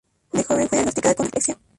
De joven fue diagnosticada con dislexia.